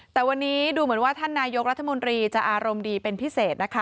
แต่วันนี้ดูเหมือนว่าท่านนายกรัฐมนตรีจะอารมณ์ดีเป็นพิเศษนะคะ